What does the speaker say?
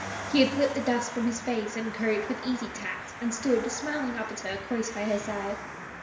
He had flipped the dust from his face and coat with easy tact, and stood, smiling up at her, close by her side.